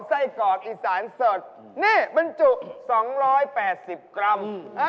ไส้กรอกอีสานสดนี่บรรจุ๒๘๐กรัม